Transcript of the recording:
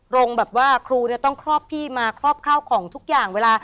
แบบว่าครูเนี่ยต้องครอบพี่มาครอบข้าวของทุกอย่างเวลา